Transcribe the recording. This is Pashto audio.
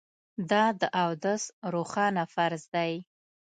دا د اودس روښانه فرض دی